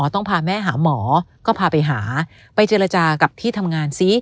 ต้องพาแม่หาหมอก็พาไปหาไปเจรจากับที่ทำงานซิ